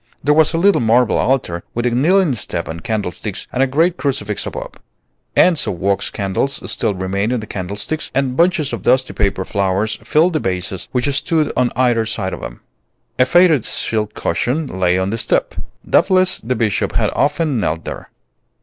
There was a little marble altar, with a kneeling step and candlesticks and a great crucifix above. Ends of wax candles still remained in the candlesticks, and bunches of dusty paper flowers filled the vases which stood on either side of them. A faded silk cushion lay on the step. Doubtless the Bishop had often knelt there.